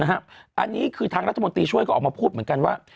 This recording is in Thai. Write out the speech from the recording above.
อันนี้คือทางรัฐมนตรีช่วยก็ออกมาพูดเหมือนกันว่า